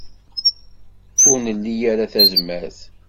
Ur nli ara tazmert.